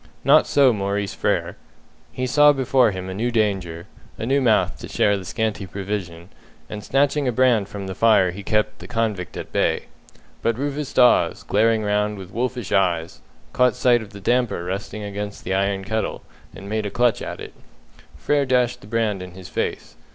Not so Maurice Frere. He saw before him a new danger, a new mouth to share the scanty provision, and snatching a brand from the fire he kept the convict at bay. But Rufus Dawes, glaring round with wolfish eyes, caught sight of the damper resting against the iron kettle, and made a clutch at it. Frere dashed the brand in his face.